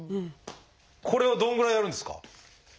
これをどんぐらいやるんですか？